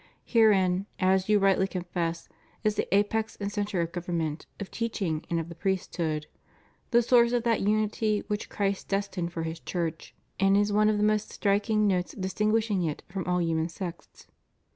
Herein, as you rightly confess, is the apex and centre of government, of teaching and of the priesthood; the source of that unity which Christ destined for His Church, and which is one of the most striking notes dis tinguishing it from all human sects.